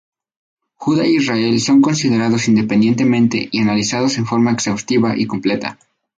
Judá e Israel son considerados independientemente, y analizados en forma exhaustiva y completa.